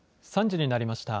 ３時になりました。